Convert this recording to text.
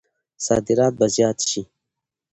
صادرات به زیات شي؟